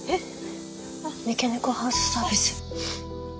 三毛猫ハウスサービス。